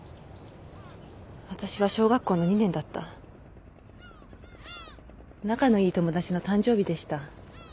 私は小学校の２年だった仲のいい友達の誕生日でした